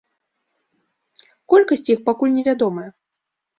Колькасць іх пакуль невядомая.